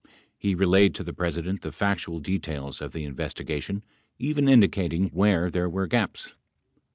He relayed to the President the factual details of the investigation, even indicating where there were gaps.